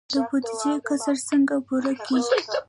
د بودیجې کسر څنګه پوره کیږي؟